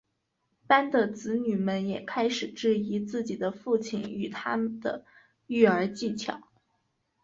班的子女们也开始质疑自己的父亲与他的育儿技巧。